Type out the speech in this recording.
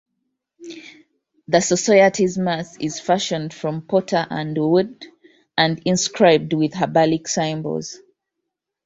The society's mace is fashioned from pewter and wood, and inscribed with heraldic symbols.